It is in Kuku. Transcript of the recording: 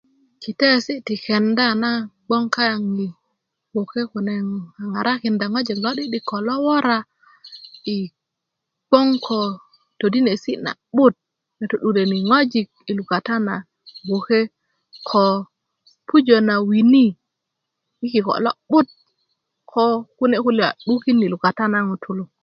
kitaesi' ti kenda na gboŋ kaaŋ yi gboke kune a ŋarakinda ŋoji lo'di'dik ko lo wora yi gboŋ ko todinesi na'but na to'dureni ŋojik yi lukata na gboke ko pujö na wini yi kiko' lo'but ko kune' kulya a 'dukin yi lukata na ŋutulu